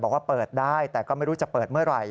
บอกว่าเปิดได้แต่ก็ไม่รู้จะเปิดเมื่อไหร่